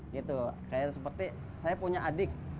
gitu kayak seperti saya punya adik